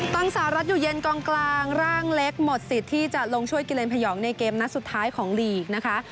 ตั้งสหรัฐอยู่เย็นกองกลางร่างเล็กหมดสิทธิ์ที่จะลงช่วยกิเลนพยองในเกมนัดสุดท้ายของลีกนะคะ